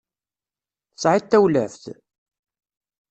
Tesɛiḍ tawlaft?